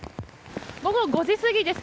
午後５時過ぎです。